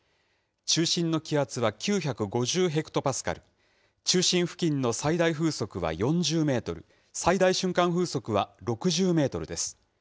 中心の気圧は９５０ヘクトパスカル、中心付近の最大風速は４０メートル、最大瞬間風速は６０メートルです。